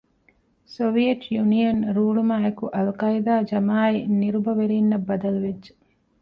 ސޮވިއެޓް ޔުނިއަން ރޫޅުމާއެކު އަލްޤާޢިދާ ޖަމާޢަތް ނިރުބަވެރީންނަށް ބަދަލުވެއްޖެ